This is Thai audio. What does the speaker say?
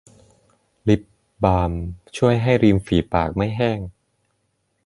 ลิปบาล์มช่วยให้ริมฝีปากไม่แห้ง